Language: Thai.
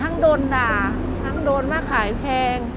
ทั้งโดนด่าทั้งโดนมาขายแพง